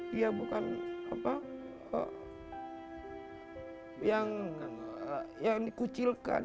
dia bukan yang dikucilkan